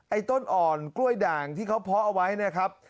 ต้นอ่อนกล้วยด่างที่เขาเพาะเอาไว้นะครับ